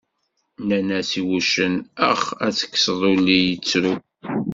Nnan-as i wuccen ax ad tekseḍ ulli, yettru.